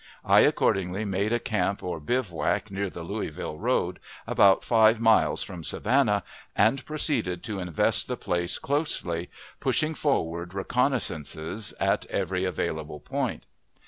I accordingly made a camp or bivouac near the Louisville road, about five miles from Savannah, and proceeded to invest the place closely, pushing forward reconnoissances at every available point.